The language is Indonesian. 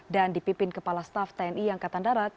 dan dipimpin kepala staff tni angkatan darat